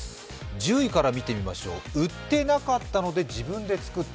１０位から見てみましょう、売ってなかったから自分で作った。